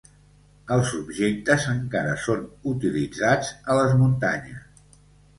Els objectes encara són utilitzats a les muntanyes.